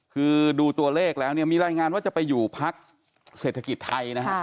คือดูตัวเลขแล้วเนี่ยมีรายงานว่าจะไปอยู่พักเศรษฐกิจไทยนะฮะ